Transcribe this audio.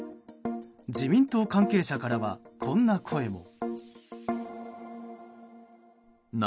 自民党関係者からはこんな声も。